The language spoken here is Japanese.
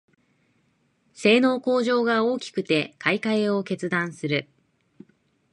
性能向上が大きくて買いかえを決断する